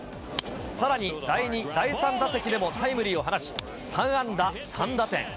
さらに第２、第３打席でもタイムリーを放ち、３安打３打点。